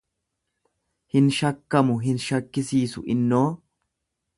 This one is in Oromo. Hin shakkamu, hin shakkisiisu innoo.